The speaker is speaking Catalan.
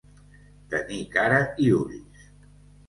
Tenir cara i ulls.